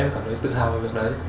em cảm thấy tự hào về việc đấy